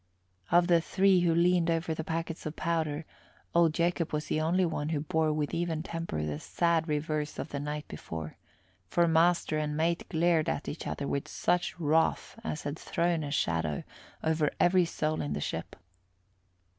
Of the three who leaned over the packets of powder, old Jacob was the only one who bore with even temper the sad reverse of the night before; for master and mate glared at each other in such wrath as had thrown a shadow over every soul in the ship.